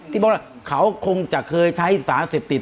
ที่บอกว่าเขาคงจะเคยใช้สารเสพติด